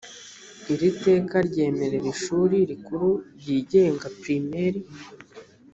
iri teka ryemerera ishuri rikuru ryigenga premier